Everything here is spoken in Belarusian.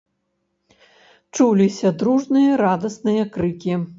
Чуліся дружныя радасныя крыкі.